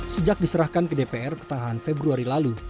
sejak diserahkan ke dpr pertengahan februari lalu